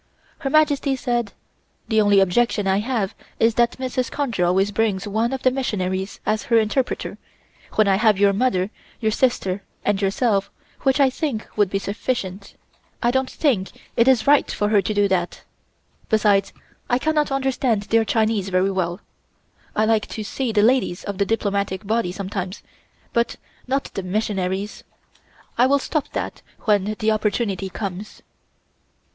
Her Majesty said: "The only objection I have is that Mrs. Conger always brings one of the missionaries as her interpreter, when I have your mother, your sister and yourself, which I think should be sufficient. I don't think it is right for her to do that; besides, I cannot understand their Chinese very well. I like to see the ladies of the Diplomatic body sometimes, but not the missionaries. I will stop that when the opportunity comes."